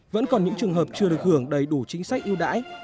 vẫn còn những trường hợp chưa được hưởng đầy đủ chính sách ưu đãi